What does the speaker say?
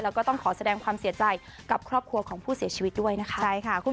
แล้วก็ต้องขอแสดงความเสียใจกับครอบครัวของผู้เสียชีวิตด้วยนะคะ